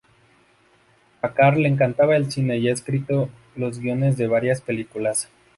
A Carr le encanta el cine y ha escrito los guiones de varias películas.